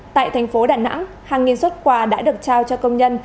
tại thành phố đà nẵng hàng nghìn xuất quà đã được trao cho công nhân